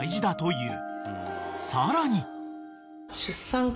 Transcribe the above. ［さらに］